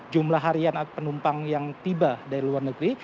jumlah harian penumpang yang tiba dari luar negeri